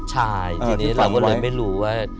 ใช่ทีนี้เราก็เลยไม่รู้ว่า